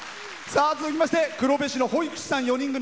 続きまして黒部市の保育士さん４人組。